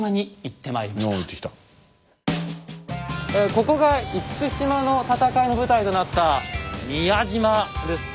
ここが厳島の戦いの舞台となった宮島です。